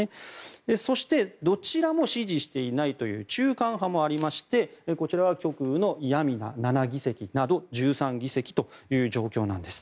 そして、どちらも支持していないという中間派もありましてこちらは極右のヤミナ７議席など１３議席という状況なんです。